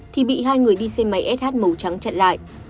thì bị hai người đi xe máy sh màu trắng chặn lại